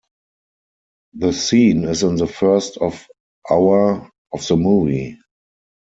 The scene is in the first of hour of the movie.